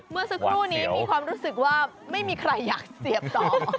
เมื่อสักครู่นี้มีความรู้สึกว่าไม่มีใครอยากเสียบต่อ